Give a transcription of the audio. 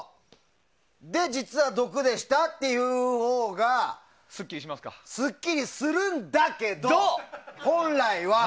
で、実は毒でした！っていうほうがすっきりするんだけど、本来は。